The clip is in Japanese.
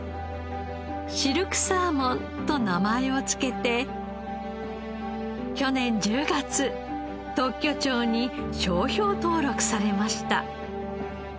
シルクサーモンと名前をつけて去年１０月特許庁に商標登録されました。